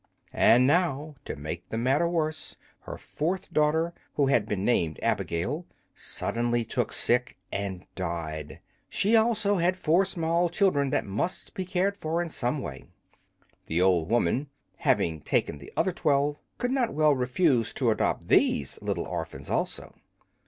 And now, to make the matter worse, her fourth daughter, who had been named Abigail, suddenly took sick and died, and she also had four small children that must be cared for in some way. The old woman, having taken the other twelve, could not well refuse to adopt these little orphans also.